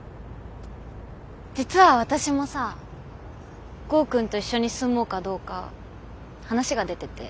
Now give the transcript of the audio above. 実は私もさ剛くんと一緒に住もうかどうか話が出てて。